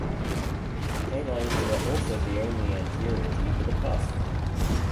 Canines are also the only anterior teeth with a cusp.